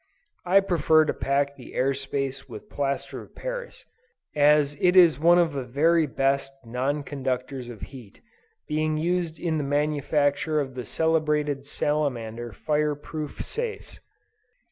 I prefer to pack the air space with plaster of Paris, as it is one of the very best non conductors of heat, being used in the manufacture of the celebrated Salamander fire proof safes.